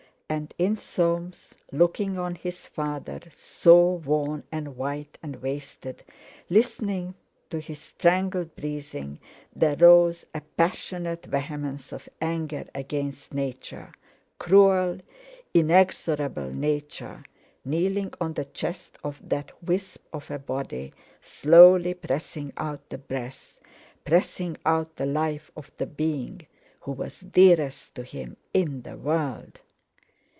And in Soames, looking on his father so worn and white and wasted, listening to his strangled breathing, there rose a passionate vehemence of anger against Nature, cruel, inexorable Nature, kneeling on the chest of that wisp of a body, slowly pressing out the breath, pressing out the life of the being who was dearest to him in the world.